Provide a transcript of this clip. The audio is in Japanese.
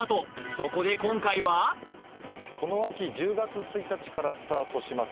そこで今回はこの秋１０月１日からスタートします